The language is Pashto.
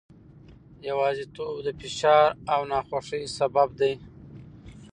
یوازیتوب د فشار او ناخوښۍ سبب دی.